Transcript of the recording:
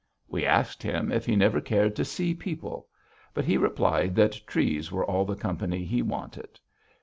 We asked him if he never cared to see people. But he replied that trees were all the company he wanted.